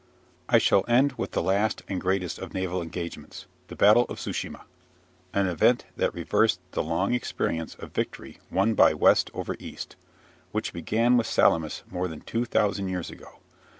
I shall end with the last and greatest of naval engagements, the Battle of Tsu shima, an event that reversed the long experience of victory won by West over East, which began with Salamis more than two thousand years ago.